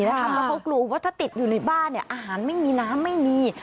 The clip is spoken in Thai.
เพราะเขากลัวว่าถ้าติดอยู่ในบ้านอาหารไม่มีน้ำไม่มี